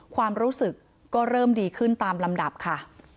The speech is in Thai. ความรู้สึกก็เริ่มดีขึ้นตามลำดับค่ะ